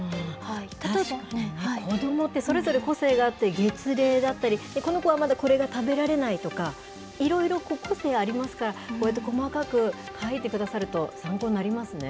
確かに子どもってそれぞれ個性があって、月齢だったり、この子はまだこれが食べられないとか、いろいろ個性ありますから、こうやって細かく書いてくださると参考になりますね。